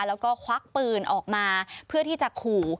แล้วก็ควักปืนออกมาเพื่อที่จะขู่